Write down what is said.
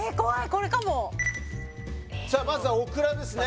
これかもさあまずはオクラですね